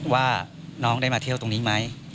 ว่าน้องได้มาเที่ยวตรงนี้ไหม